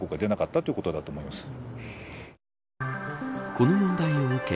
この問題を受け